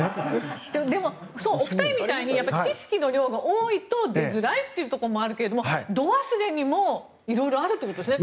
でも、お二人みたいに知識の量が多いと出づらいというところもあるけど度忘れにも色々あるということですね。